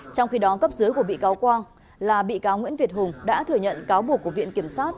trong khi đó cấp dưới của bị cáo quang là bị cáo nguyễn việt hùng đã thừa nhận cáo buộc của viện kiểm sát